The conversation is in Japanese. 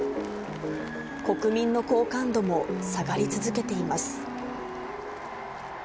国民の好感度も下がり続けています。